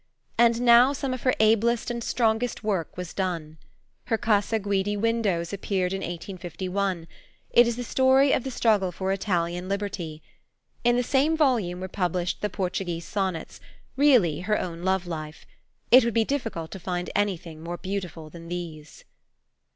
And now some of her ablest and strongest work was done. Her Casa Guidi Windows appeared in 1851. It is the story of the struggle for Italian liberty. In the same volume were published the Portuguese Sonnets, really her own love life. It would be difficult to find any thing more beautiful than these.